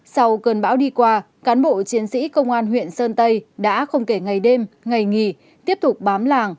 sau cơn bão đi qua cán bộ chiến sĩ công an huyện sơn tây đã không kể ngày đêm ngày nghỉ tiếp tục bám làng